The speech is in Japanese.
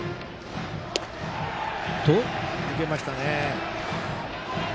抜けましたね。